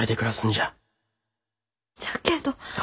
じゃけど。